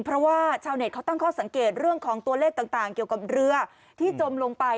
เพราะว่าชาวเน็ตเขาตั้งข้อสังเกตเรื่องของตัวเลขต่างเกี่ยวกับเรือที่จมลงไป